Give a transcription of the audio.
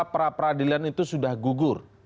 peradilan itu sudah gugur